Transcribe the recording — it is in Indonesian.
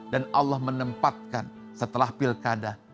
dan allah menempatkan setelah pilkada